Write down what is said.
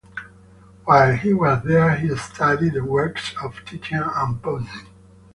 While he was there, he studied the works of Titian and Poussin.